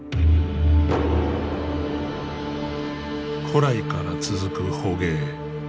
古来から続く捕鯨。